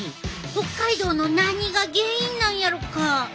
北海道の何が原因なんやろか？